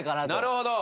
なるほど。